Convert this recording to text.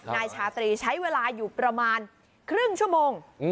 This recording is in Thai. นายชาตรีใช้เวลาอยู่ประมาณครึ่งชั่วโมง